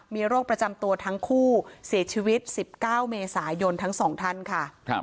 มีโรคประจำตัวทั้งคู่เสียชีวิต๑๙เมษายนทั้งสองท่านค่ะ